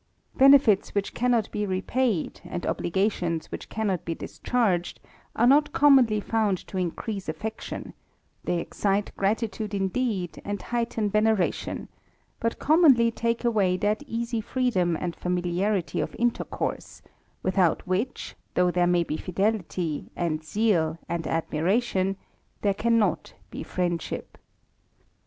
Benefits which caanot be repaid, and obligarions which cannot be discharged, i not commonly found to increase affection ; they excite gratitude indeed, and heighten veneration ; but commonlf take away that easy freedom and familiarity of intercourses without which, though there may be fidelity, and zeal, and admiration, there cannot be friendship.